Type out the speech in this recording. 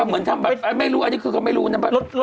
มันทำไม่รู้คืออันนี้ก็ไม่รู้